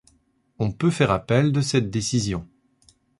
On peut faire appel de cette décision.